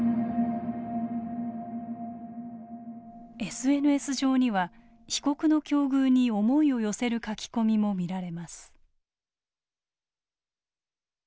ＳＮＳ上には被告の境遇に思いを寄せる書き込みも見られます。